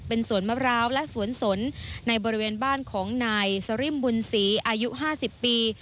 เป็นสวนมะพร้าวและสวนสนในบริเวณบ้านของนายสริมบุญศรีอายุ๕๐ปี